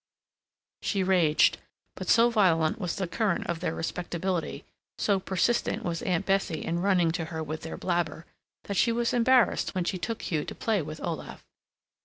She raged, but so violent was the current of their respectability, so persistent was Aunt Bessie in running to her with their blabber, that she was embarrassed when she took Hugh to play with Olaf.